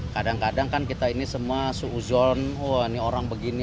kadang kadang kan kita ini semua suuzon wah ini orang begini